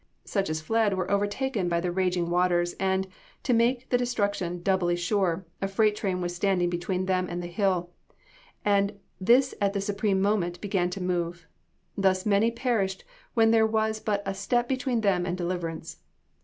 Such as fled were overtaken by the raging waters, and, to make destruction doubly sure, a freight train was standing between them and the hill, and this at the supreme moment, began to move. Thus many perished when there was but a step between them and deliverance.